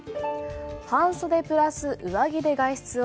半袖プラス上着で外出を。